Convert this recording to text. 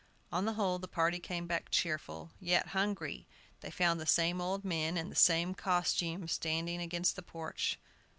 On the whole the party came back cheerful, yet hungry. They found the same old men, in the same costume, standing against the porch.